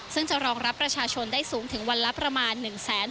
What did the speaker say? ซึ่งจะรองรับประชาชนได้สูงถึงวันละประมาณ๑แสน